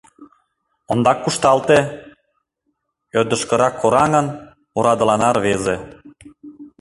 Ондак кушталте! — ӧрдыжкырак кораҥын, орадылана рвезе.